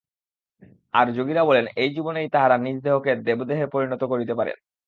আর যোগীরা বলেন, এই জীবনেই তাঁহারা নিজ দেহকে দেবদেহে পরিণত করিতে পারেন।